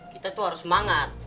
kita tuh harus semangat